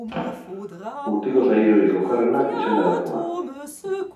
Urteko saiorik okerrena izan da gaurkoa.